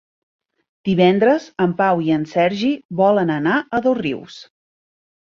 Divendres en Pau i en Sergi volen anar a Dosrius.